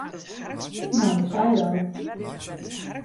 No, sa is dat.